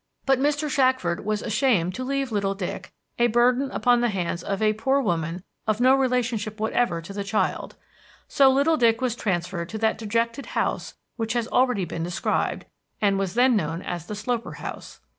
But Mr. Shackford was ashamed to leave little Dick a burden upon the hands of a poor woman of no relationship whatever to the child; so little Dick was transferred to that dejected house which has already been described, and was then known as the Sloper house.